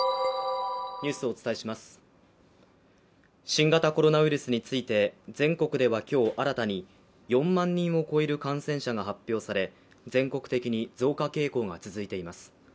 新型コロナウイルスについて、全国では今日新たに４万人を超える感染者発表され、全国的に増加傾向が続いています。